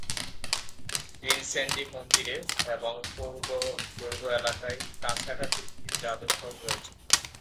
Rinsenji মন্দিরে এবং পূর্ব দুর্গ এলাকায় কাছাকাছি দুটি জাদুঘর রয়েছে।